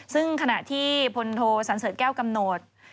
ซึ่งขณะที่พลโทสันเสริฐแก้วกำหนด